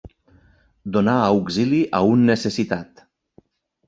Donar auxili a un necessitat.